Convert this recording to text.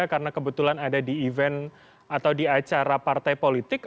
karena kebetulan ada di event atau di acara partai politik